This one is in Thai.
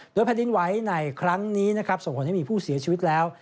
โดยแผ่นดินไหว้ในครั้งนี้ส่วนคนที่มีผู้เสียชีวิตแล้ว